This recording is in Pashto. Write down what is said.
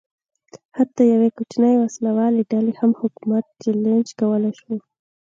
حتی یوې کوچنۍ وسله والې ډلې هم حکومت چلنج کولای شو.